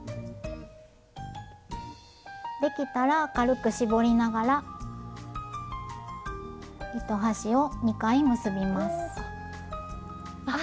できたら軽く絞りながら糸端を２回結びます。